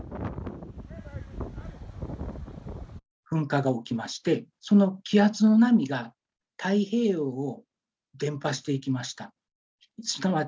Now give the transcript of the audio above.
噴火が起きましてその気圧の波が太平洋を伝ぱしていきました。